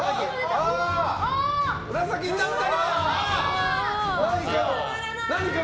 青になった！